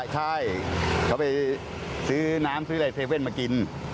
ใช่เขาไปซื้อน้ำซื้ออะไรเซเว่นมากิน